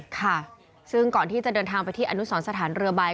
ค่ะซึ่งก่อนที่จะเดินทางไปที่อนุสรสถานเรือใบ